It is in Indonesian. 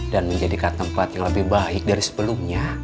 dan menjadikan tempat yang lebih baik dari sebelumnya